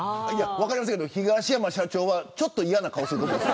分からないですけど東山社長はちょっと嫌な顔すると思います。